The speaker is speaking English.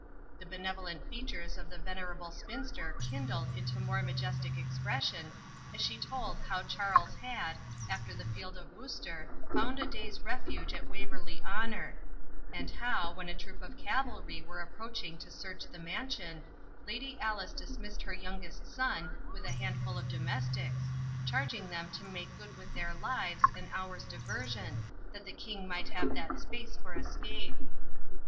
The benevolent features of the venerable spinster kindled into more majestic expression as she told how Charles had, after the field of Worcester, found a day's refuge at Waverley Honour, and how, when a troop of cavalry were approaching to search the mansion, Lady Alice dismissed her youngest son with a handful of domestics, charging them to make good with their lives an hour's diversion, that the king might have that space for escape.